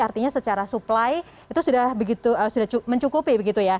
artinya secara supply itu sudah mencukupi